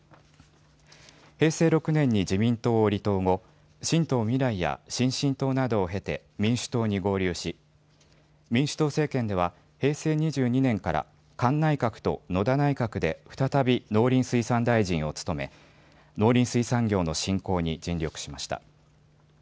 平成６年に自民党を離党後、新党みらいや新進党などを経て民主党に合流し民主党政権では平成２２年から菅内閣と野田内閣で再び農林水産大臣を務め農林水産業の振興に尽力しました。